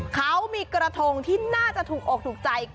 เขามีกระทงที่น่าจะถูกอกถูกใจ